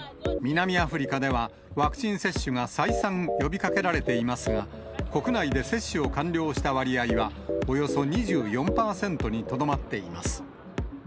南アフリカでは、ワクチン接種が再三呼びかけられていますが、国内で接種を完了した割合は、およそ２４％にとどまっています。